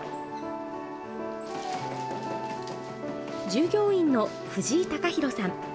従業員の藤井貴寛さん。